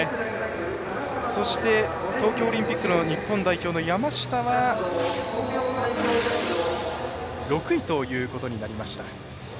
そして、東京オリンピックの日本代表の山下は６位ということになりました。